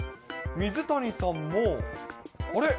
水谷さんも、あれ？